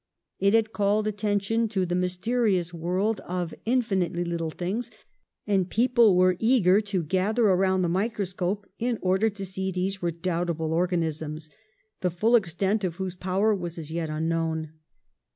It had called attention to the mysteri ous world of infinitely little things, and people were eager to gather around the microscope in order to see these redoubtable organisms, the full extent of whose power was as yet unknown.